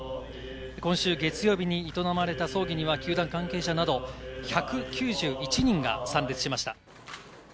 今週月曜日に営まれた葬儀には球団関係者など１９１人が参列しました。